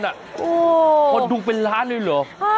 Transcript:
คนดูเป็นล้านเลยเหรอ